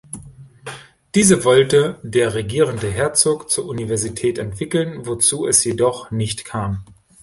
Diese wollte der regierende Herzog zur Universität entwickeln, wozu es jedoch nicht kam.